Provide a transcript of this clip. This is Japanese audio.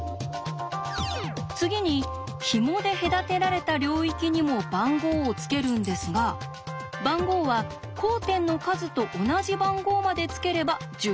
次にひもで隔てられた領域にも番号をつけるんですが番号は交点の数と同じ番号までつければ十分です。